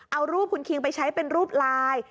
เอารูปคุณคิงไปใช้เป็นรูปไลน์